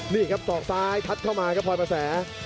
นี่ครับศอกซ้ายพัดเข้ามาครับพลอยประแส